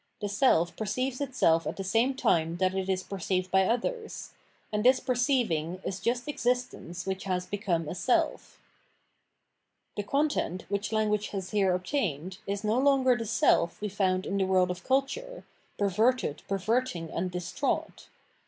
The seK perceives itself at the same time that it is perceived by others : and this perceiving is just existence which has become a self. The content, which language has here obtained, is no longer the self we found in the world of culture, perverted, perverting, and distraught.